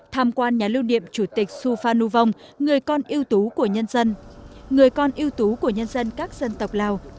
tham quan nhà lưu điệm chủ tịch su phan nhu vong người con ưu tú của nhân dân các dân tộc lào